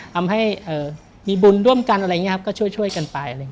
ทำให้มีบุญร่วมกันอะไรอย่างนี้ครับก็ช่วยกันไป